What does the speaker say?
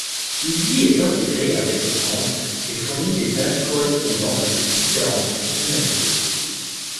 Ivy est intégré avec Ant et fournit les tâches correspondant à ses différentes fonctionnalités.